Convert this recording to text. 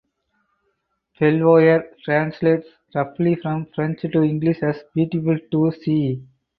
Belvoir translates roughly from French to English as "beautiful to see".